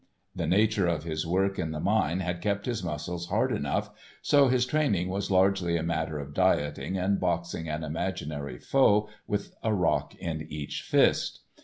The nature of his work in the mine had kept his muscles hard enough, so his training was largely a matter of dieting and boxing an imaginary foe with a rock in each fist.